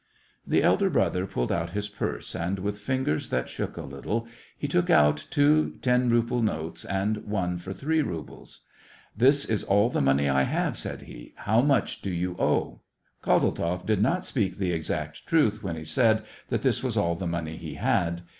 The elder brother pulled out his purse, and, with fingers that shook a little, he took out two ten ruble notes and one for three rubles. SEVASTOPOL IN AUGUST, 151 " This is all the money I have," said he. " How much do you owe ?" Kozeltzoff did not speak the exact truth when he said that this was all the money he had.